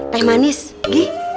teh manis gi